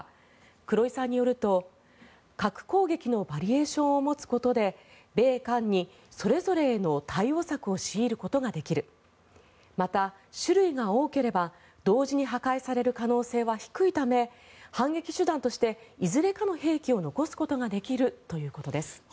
黒井さんによると核攻撃のバリエーションを持つことで米韓にそれぞれの対応策を強いることができるまた、種類が多ければ同時に破壊される可能性は低いため反撃手段としていずれかの兵器を残すことができるということです。